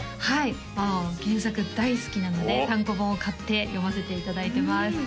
はいもう原作大好きなので単行本を買って読ませていただいてます